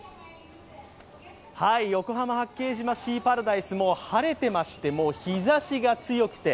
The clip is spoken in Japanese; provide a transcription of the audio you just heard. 横浜・八景島シーパラダイスも晴れていまして、もう日ざしが強くて。